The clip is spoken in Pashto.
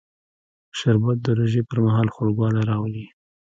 شربت د روژې پر مهال خوږوالی راولي